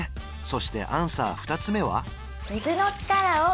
そしてアンサー２つ目は？